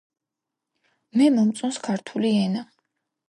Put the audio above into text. მე მომწონს ქართული ენა.